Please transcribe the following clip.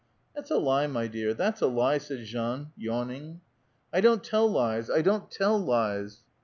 " That's a lie, my dear, that's a lie," said Jean, yawning. " I don't tell lies ! I don't tell lies